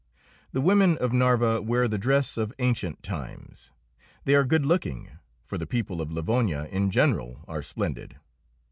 The women of Narva wear the dress of ancient times. They are good looking, for the people of Livonia in general are splendid.